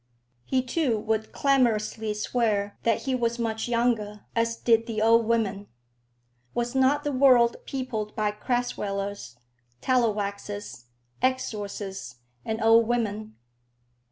He too would clamorously swear that he was much younger, as did the old women. Was not the world peopled by Craswellers, Tallowaxes, Exorses, and old women?